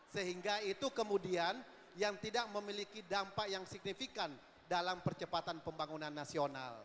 sehingga itu kemudian yang tidak memiliki dampak yang signifikan dalam percepatan pembangunan nasional